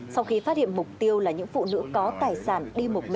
sau khi phát hiện mục tiêu là những phụ nữ có tài sản đi mua xe máy